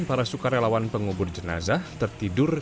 para sukarelawan pengubur jenazah tertidur